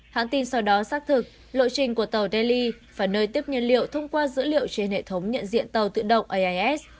hãng tin sau đó xác thực lộ trình của tàu delhi và nơi tiếp nhiên liệu thông qua dữ liệu trên hệ thống nhận diện tàu tự động ais